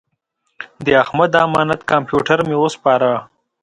د احمد امانت کمپیوټر مې وسپاره.